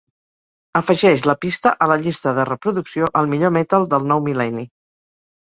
Afegeix la pista a la llista de reproducció "El millor metal del nou mil·lenni".